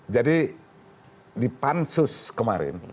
jadi di pansus kemarin